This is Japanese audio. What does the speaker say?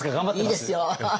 いいですよ！